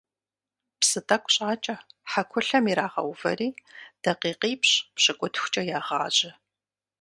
Псы тӀэкӀу щӀакӀэ, хьэкулъэм ирагъэувэри, дакъикъипщӏ-пщыкӏутхукӀэ ягъажьэ.